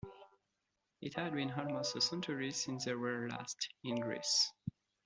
It had been almost a century since they were last in Greece.